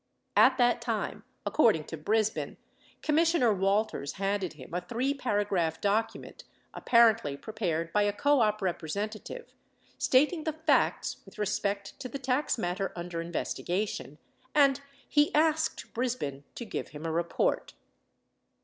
At that time, according to Brisbin, Commissioner Walters handed him a three paragraph document 85 apparently prepared by a co op representative stating the facts with respect to the tax matter under investigation, and he asked Brisbin to give him a report.